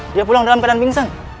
dia pulang dalam keadaan pingsan